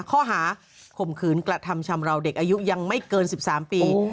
ข้อหาข่มขืนกระทำชำราวเด็กอายุยังไม่เกิน๑๓ปี